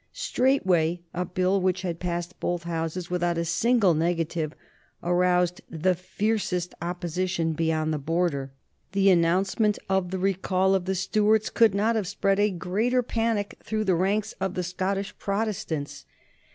Straightway a Bill which had passed both Houses without a single negative aroused the fiercest opposition beyond the Border. The announcement of the recall of the Stuarts could not have spread a greater panic through the ranks of the Scottish Protestants.